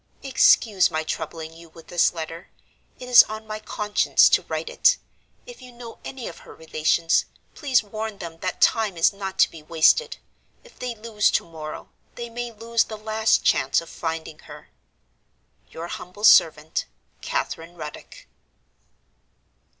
"Excuse my troubling you with this letter; it is on my conscience to write it. If you know any of her relations, please warn them that time is not to be wasted. If they lose to morrow, they may lose the last chance of finding her. "Your humble servant, "CATHERINE RUDDOCK."